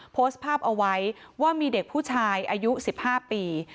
โพสต์ภาพเอาไว้ว่ามีเด็กผู้ชายอายุ๑๕ปี